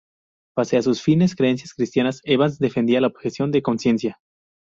Pese a sus firmes creencias cristianas, Evans defendía la objeción de conciencia.